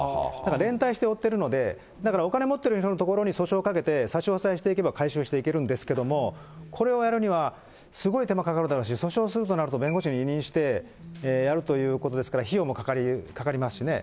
連帯して負ってるので、だからお金持ってる人の所に訴訟かけて、差し押さえしていけば回収していけるんですけども、これをやるには、すごい手間かかるだろうし、訴訟するとなると弁護士に委任してやるということですから、費用もかかりますしね。